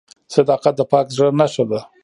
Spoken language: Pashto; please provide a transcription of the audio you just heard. • صداقت د پاک زړه نښه ده.